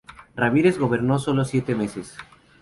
Ramírez gobernó sólo siete meses.